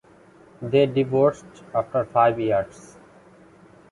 They divorced after five years.